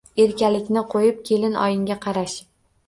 Erkalikni qo`yib, kelin oyingga qarash